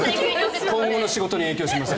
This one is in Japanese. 今後の仕事に影響します。